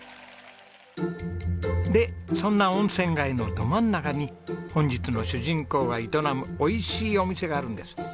でそんな温泉街のど真ん中に本日の主人公が営む美味しいお店があるんです。